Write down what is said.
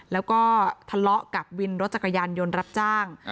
แล้วก็ทะเลาะกับวินรถจักรยานยนต์รับจ้าง